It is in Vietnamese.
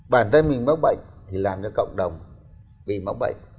bản thân mình mắc bệnh thì làm cho cộng đồng bị mắc bệnh